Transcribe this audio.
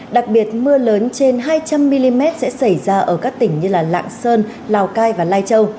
đặc biệt mưa lớn trên hai trăm linh mm sẽ xảy ra ở các tỉnh như lạng sơn lào cai và lai châu